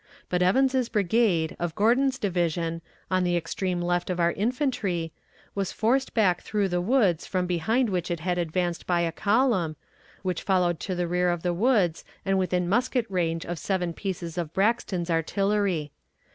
But Evans's brigade, of Gordon's division, on the extreme left of our infantry, was forced back through the woods from behind which it had advanced by a column, which followed to the rear of the woods and within musket range of seven pieces of Braxton's artillery.